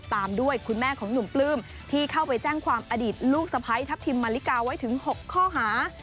ตามด้วยคุณแม่ของหนุ่มปลื้มที่เข้าไปแจ้งความอดีตลูกสะพ้ายทัพทิมมาลิกาไว้ถึง๖ข้อหา